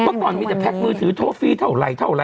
เพราะก่อนมีแต่แพ็กมือถือโทษฟรีเท่าไหร่